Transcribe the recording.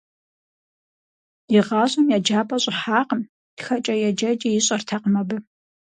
ИгъащӀэм еджапӏэ щӀыхьакъым, тхэкӀэ-еджэкӀи ищӀэртэкъым абы.